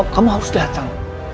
kamu harus datang